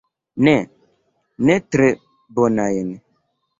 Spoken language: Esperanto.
Ne, ne tre bonajn.